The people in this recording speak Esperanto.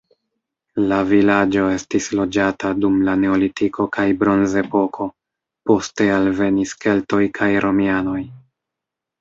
La vilaĝo estis loĝata dum la neolitiko kaj bronzepoko, poste alvenis keltoj kaj romianoj.